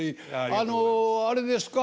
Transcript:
あのあれですか？